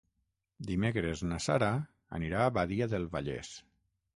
Dimecres na Sara anirà a Badia del Vallès.